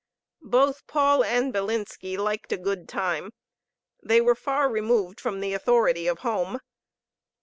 Both Paul and Bilinski liked a good time." They were far removed from the authority of home.